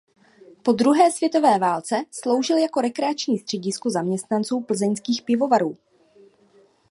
Po druhé světové válce sloužil jako rekreační středisko zaměstnanců Plzeňských pivovarů.